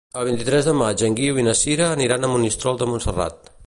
El vint-i-tres de maig en Guiu i na Sira aniran a Monistrol de Montserrat.